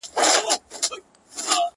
ښايستو کي خيالوري پيدا کيږي-